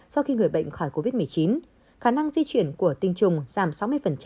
sau khi người bệnh khỏi covid một mươi chín khả năng di chuyển của tiêm chủng giảm sáu mươi